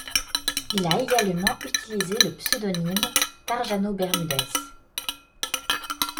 Il a également utilisé le pseudonymes Trajano Bermúdez.